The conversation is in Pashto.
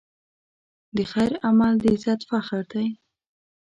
د خیر عمل د عزت فخر دی.